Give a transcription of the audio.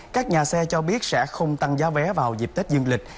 các nhà xe cho biết sẽ không tăng giá vé vào dịp tết dương lịch